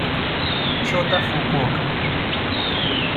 Shota Fukuoka